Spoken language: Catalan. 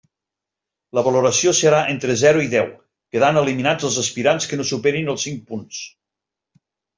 La valoració serà entre zero i deu, quedant eliminats els aspirants que no superin els cinc punts.